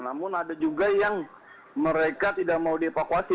namun ada juga yang mereka tidak mau dievakuasi